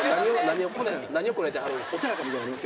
何をこねてはるんですか？